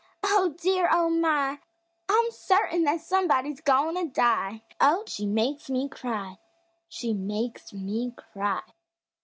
Oh, dear! Oh, my! I'm certain 'at somebody's goin' to die!" Oh, she makes me cry She makes me cry!